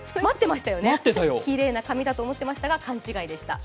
きれいな紙だと思ってましたが勘違いでした。